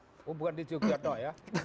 oh bukan di jogja ya